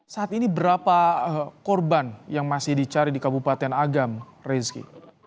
saat ini berapa korban yang masih dicari di kabupaten agam rezeki